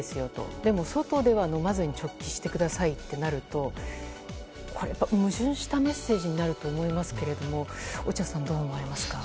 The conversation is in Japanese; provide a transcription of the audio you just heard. でも、外では飲まずに直帰してくださいとなるとこれは矛盾したメッセージになると思いますけれども落合さん、どう思われますか？